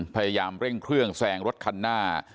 พยายามเร่งเครื่องแซงรถคันหน้า